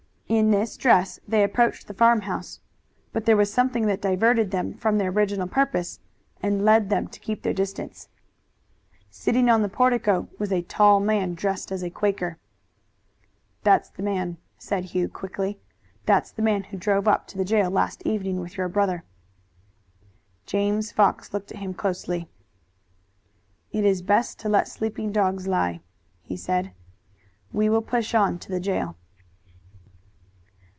In this dress they approached the farmhouse, but there was something that diverted them from their original purpose and led them to keep their distance. Sitting on the portico was a tall man dressed as a Quaker. "That's the man!" said Hugh quickly. "That's the man who drove up to the jail last evening with your brother." James Fox looked at him closely. "It is best to let sleeping dogs lie," he said. "We will push on to the jail."